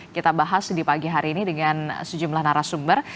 kita bahas di pagi hari ini dengan sejumlah narasumber